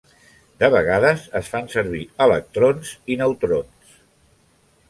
De vegades es fan servir electrons i neutrons.